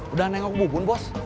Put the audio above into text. udah nengok bubun bos